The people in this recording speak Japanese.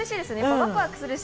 ワクワクする。